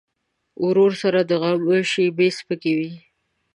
ورور سره د غم شیبې سپکې وي.